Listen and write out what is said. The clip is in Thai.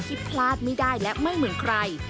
พลาดไม่ได้และไม่เหมือนใคร